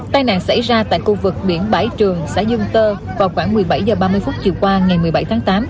tai nạn xảy ra tại khu vực biển bãi trường xã dương tơ vào khoảng một mươi bảy h ba mươi chiều qua ngày một mươi bảy tháng tám